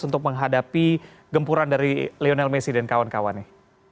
untuk menghadapi gempuran dari lionel messi dan kawan kawannya